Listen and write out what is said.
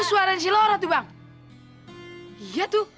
suara si laura tuh bang iya tuh